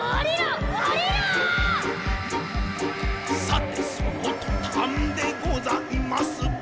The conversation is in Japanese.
「さてその途端でございます」